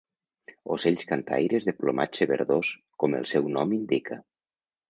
Ocells cantaires de plomatge verdós, com el seu nom indica.